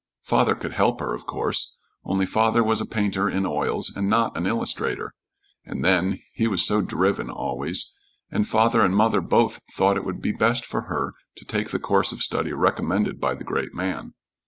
Father could help her, of course, only father was a painter in oils and not an illustrator and then he was so driven, always, and father and mother both thought it would be best for her to take the course of study recommended by the great man.